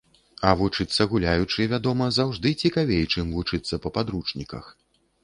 А вучыцца гуляючы, вядома, заўжды цікавей, чым вучыцца па падручніках.